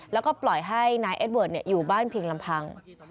แล้วก็ปล่อยให้นายเอสเวิร์ดอยู่บ้านเพียงลำพัง